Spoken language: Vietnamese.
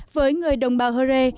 với người đồng bào hờ rê